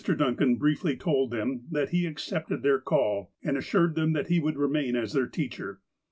Duncan briefly told them that he accepted their call, and assured them that he would remain as their teacher.